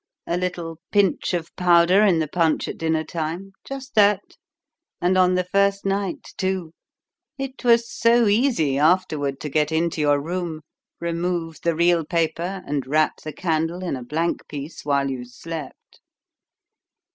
A little pinch of powder in the punch at dinner time just that and on the first night, too! It was so easy afterward to get into your room, remove the real paper, and wrap the candle in a blank piece while you slept."